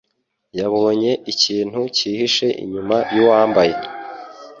yabonye ikintu cyihishe inyuma yuwambaye.